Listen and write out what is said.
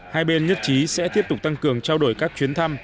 hai bên nhất trí sẽ tiếp tục tăng cường trao đổi các chuyến thăm